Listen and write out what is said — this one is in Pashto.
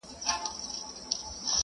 زه د جانان میني پخوا وژلې ومه٫